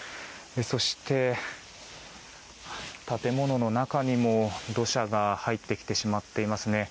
そして、建物の中にも土砂が入ってきてしまっていますね。